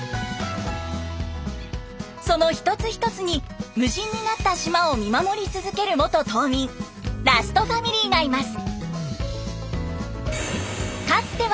その一つ一つに無人になった島を見守り続ける元島民ラストファミリーがいます。